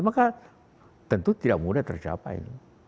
maka tentu tidak mudah tercapai